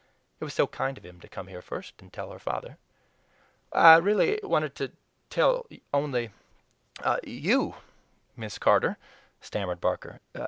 It was so kind of him to come here first and tell her father. "I really wanted to tell only YOU, Miss Carter," stammered Barker.